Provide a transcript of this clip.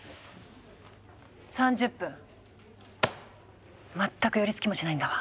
３０分全く寄りつきもしないんだわ。